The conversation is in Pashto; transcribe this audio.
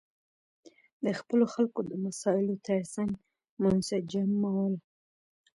د خپلو خلکو د مسایلو ترڅنګ منسجمول.